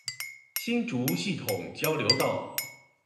新竹系統交流道